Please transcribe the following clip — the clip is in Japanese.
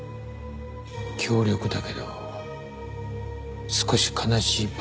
強力だけど少し悲しい爆弾。